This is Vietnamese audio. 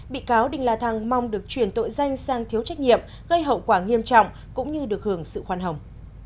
bị cáo đinh la thăng mong được chuyển tội danh sang thiếu trách nhiệm gây hậu quả nghiêm trọng cũng như được hưởng sự khoan hồng